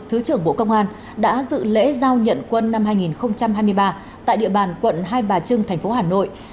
thứ trưởng bộ công an đã dự lễ giao nhận quân năm hai nghìn hai mươi ba tại địa bàn quận hai bà trưng thành phố hà nội